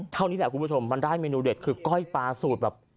เท่านี้แหละคุณผู้ชมมันได้เมนูเด็ดคือก้อยปลาสูตรแบบ